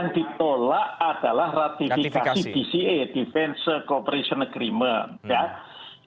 yang ditolak adalah ratifikasi dca defense cooperation agreement